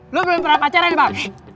lu belum pernah pacaran bang